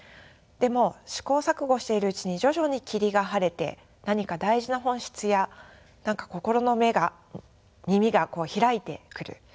でも試行錯誤しているうちに徐々に霧が晴れて何か大事な本質や何か心の目が耳がこう開いてくる。